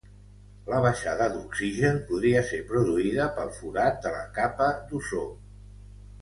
La baixada d'oxigen podria ser produïda pel forat de la capa d'ozó